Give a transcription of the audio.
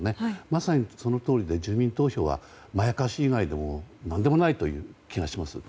まさにそのとおりで住民投票はまやかし以外の何でもないという気がします。